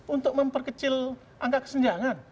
untuk memperkecil angka kesenjangan